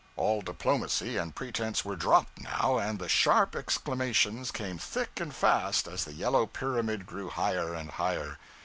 All diplomacy and pretense were dropped now, and the sharp exclamations came thick and fast, and the yellow pyramid grew higher and higher.